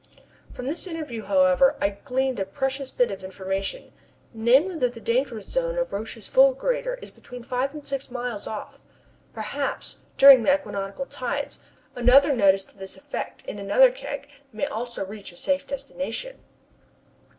From this interview, however, I gleaned a precious bit of information, namely, that the dangerous zone of Roch's fulgurator is between five and six miles off. Perhaps, during the next equinoctial tides, another notice to this effect in another keg may also reach a safe destination.